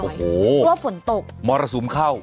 โอ้โหพลบศนตกมรสูมเข้า